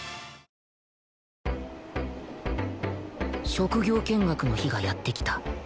職業見学の日がやってきた